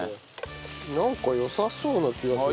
なんかよさそうな気がする。